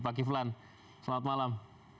pak kiflan selamat malam